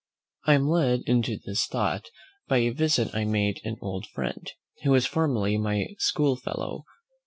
I am led into this thought by a visit I made an old friend, who was formerly my school fellow.